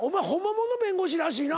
もんの弁護士らしいな。